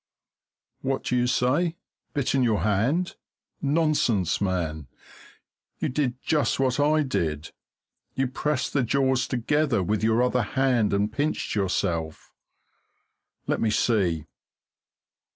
What do you say? Bitten your hand? Nonsense, man! You did just what I did. You pressed the jaws together with your other hand and pinched yourself. Let me see.